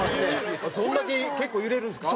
そんだけ結構揺れるんですか？